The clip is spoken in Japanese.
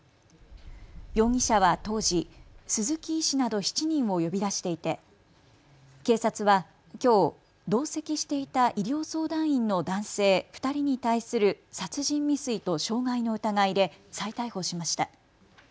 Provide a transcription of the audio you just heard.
容疑者は当時、鈴木医師など７人を呼び出していて警察はきょう同席していた医療相談員の男性２人に対する殺人未遂と傷害の疑いで再逮捕しました。